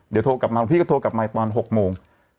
เดี๋ยวโทรกลับมาหลวงพี่ก็โทรกลับมาตอน๖โมง